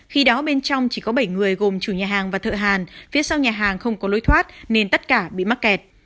khi đó bên trong chỉ có bảy người gồm chủ nhà hàng và thợ hàn phía sau nhà hàng không có lối thoát nên tất cả bị mắc kẹt